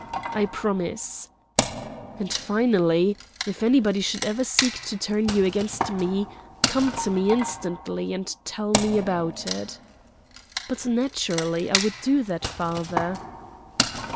"I promise." "And finally: If anybody should ever seek to turn you against me, come to me instantly and tell me about it." "But naturally I would do that, father."